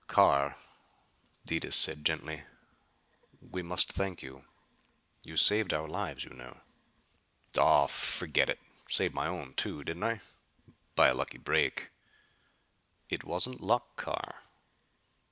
"Carr," said Detis, gently, "we must thank you. You saved our lives, you know." "Aw, forget it. Saved my own, too, didn't I? By a lucky break." "It wasn't luck, Carr."